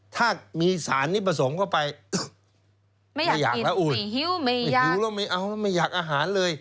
ถ้ามีสารนี้ผสมเข้าไปไม่อยากกินไม่หิวไม่อยากอาหารเลย